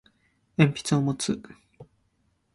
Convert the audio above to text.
鉛筆を持つ